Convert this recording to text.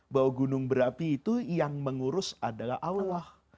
bahwa gunung berapi itu yang mengurus adalah allah